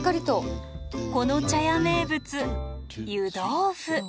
この茶屋名物湯どうふ。